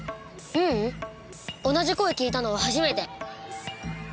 ううん同じ声聞いたのは初めて。